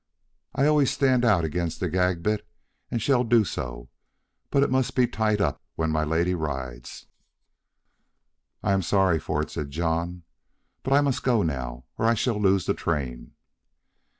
I always stand out against the gag bit, and shall do so, but it must be tight up when my lady rides!" "I am sorry for it," said John; "but I must go now, or I shall lose the train."